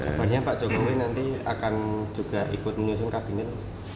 kabarnya pak jokowi nanti akan juga ikut menyusun kabinet